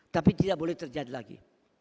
tapi tidak boleh terjadi lagi